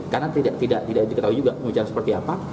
karena tidak diketahui juga pembicaraan seperti apa